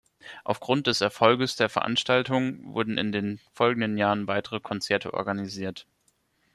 Aufgrund des Erfolgs der Veranstaltung wurden in den folgenden Jahren weitere Konzerte organisiert.